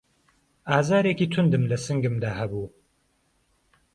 ئازارێکی توندم له سنگمدا هەبوو